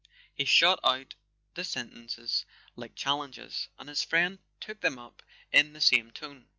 He shot out the sentences like challenges; and his friend took them up in the same tone.